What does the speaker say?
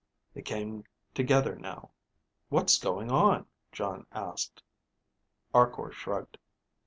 They came together now. "What's going on?" Jon asked. Arkor shrugged.